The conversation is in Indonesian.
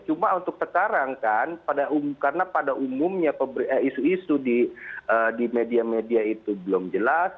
cuma untuk sekarang kan karena pada umumnya isu isu di media media itu belum jelas